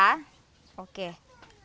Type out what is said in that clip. terima kasih mama mama